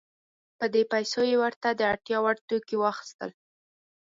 په دې پیسو یې ورته د اړتیا وړ توکي واخیستل.